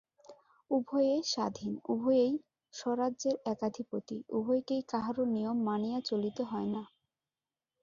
উভয়ে স্বাধীন, উভয়েই স্বরাজ্যের একাধিপতি, উভয়কেই কাহারো নিয়ম মানিয়া চলিতে হয় না।